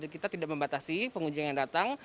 kita tidak membatasi pengunjung yang datang